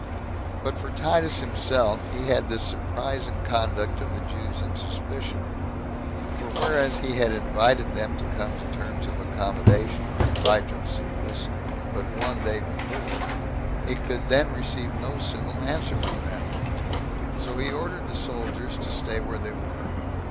But for Titus himself, he had this surprising conduct of the Jews in suspicion; for whereas he had invited them to come to terms of accommodation, by Josephus, but one day before, he could then receive no civil answer from them; so he ordered the soldiers to stay where they were.